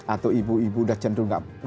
atau ibu ibu udah cenderung